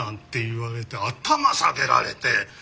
言われて頭下げられて。